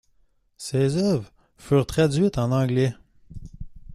Ses œuvres furent traduites en anglais.